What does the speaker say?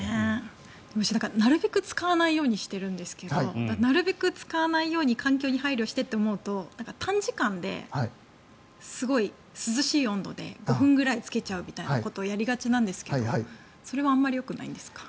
なるべく使わないようにしてるんですけどなるべく使わないように環境に配慮してと思うと短時間ですごく涼しい温度で５分ぐらいつけちゃうみたいなことをやりがちなんですけどそれはあまりよくないんですか？